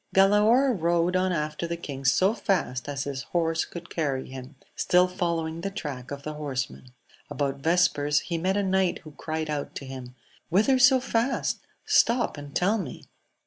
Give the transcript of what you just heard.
ALAOR rode on after the king so fast as his horse could carry him ; still following the track of the horsemen. About vespers he met a knight who cried out to him, Whither so fast ? stop and tell me